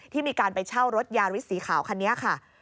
ที่มีการไปเช่ารถยาริสสีขาวคันนี้ค่ะ